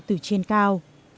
từ trên cao